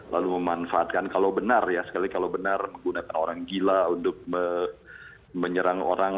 lalu memanfaatkan kalau benar ya sekali kalau benar menggunakan orang gila untuk menyerang orang